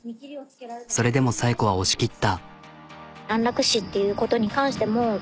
それでも紗栄子は押し切った。